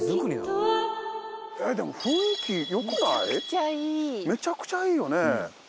でもめちゃくちゃいいよね。